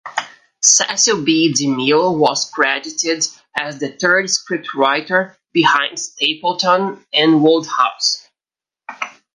Cecil B. DeMille was credited as the third scriptwriter, behind Stapleton and Wodehouse.